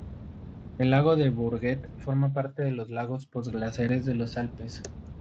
El lago del Bourget forma parte de los lagos post-glaciares de los Alpes.